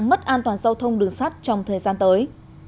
mất an toàn giao thông đường sắt trong thời gian tới